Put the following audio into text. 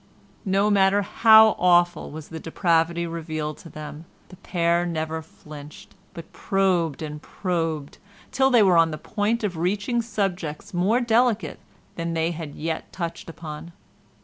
No matter how awful was the depravity revealed to them, the pair never flinched, but probed and probed, till they were on the point of reaching subjects more delicate than they had yet touched upon.